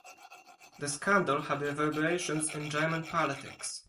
The scandal had reverberations in German politics.